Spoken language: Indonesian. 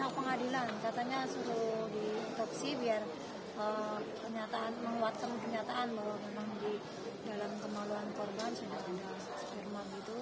katanya suruh diotopsi biar menguatkan kenyataan bahwa memang di dalam kemaluan korban